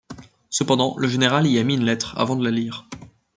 Cependant, le général y a mis une lettre, avant de la lire.